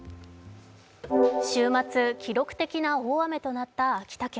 週末記録的な大雨となった秋田県。